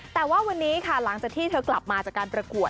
แต่ว่าวันนี้ค่ะหลังจากที่เธอกลับมาจากการประกวด